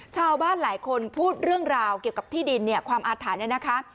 ชาวบ้านหลายคนพูดเรื่องราวเกี่ยวกับที่ดินความอาถรรพ์